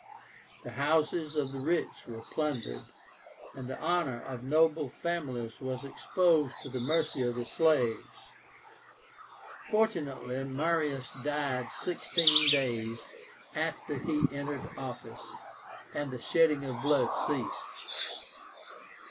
The houses of the rich were plundered, and the honor of noble families was exposed to the mercy of the slaves. Fortunately Marius died sixteen days after he entered office, and the shedding of blood ceased.